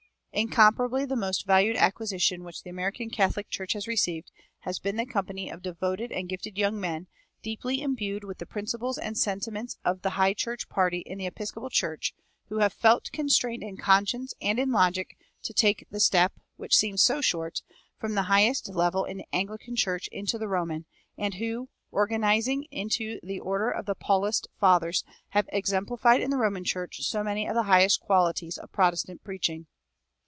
Incomparably the most valuable acquisition which the American Catholic Church has received has been the company of devoted and gifted young men, deeply imbued with the principles and sentiments of the High church party in the Episcopal Church, who have felt constrained in conscience and in logic to take the step, which seems so short, from the highest level in the Anglican Church into the Roman, and who, organized into the Order of the Paulist Fathers, have exemplified in the Roman Church so many of the highest qualities of Protestant preaching.